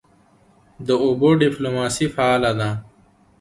د اوبو ډیپلوماسي فعاله ده؟